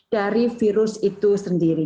dari virus itu sendiri